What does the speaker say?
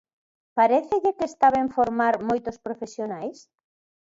¿Parécelle que está ben formar moitos profesionais?